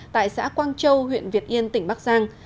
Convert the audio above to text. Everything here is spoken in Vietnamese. tại xã quang châu huyện việt yên tỉnh bắc giang